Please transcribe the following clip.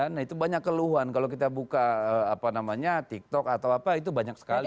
nah itu banyak keluhan kalau kita buka apa namanya tiktok atau apa itu banyak sekali